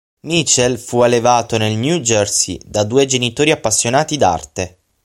Mitchell fu allevato nel New Jersey da due genitori appassionati d'arte.